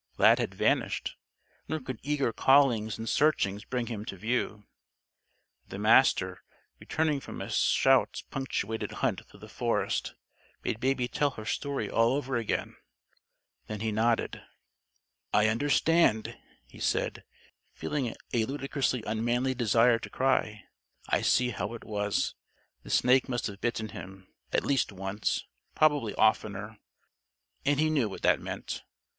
Lad had vanished. Nor could eager callings and searchings bring him to view. The Master, returning from a shout punctuated hunt through the forest, made Baby tell her story all over again. Then he nodded. "I understand," he said, feeling a ludicrously unmanly desire to cry. "I see how it was. The snake must have bitten him, at least once. Probably oftener, and he knew what that meant.